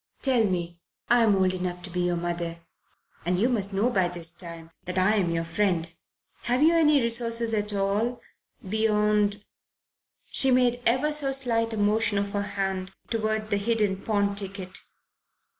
Tell me I'm old enough to be your mother, and you must know by this time that I'm your friend have you any resources at all beyond ?" She made ever so slight a motion of her hand toward the hidden pawn ticket.